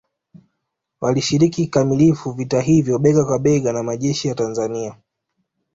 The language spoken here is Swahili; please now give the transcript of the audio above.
Walishiriki kikamilifu vita hivyo bega kwa bega na majeshi ya Tanzania